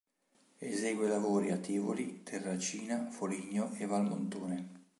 Esegue lavori a Tivoli, Terracina, Foligno e Valmontone.